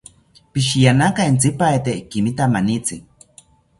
Psihiyanaka entzipaete ikimita manitzi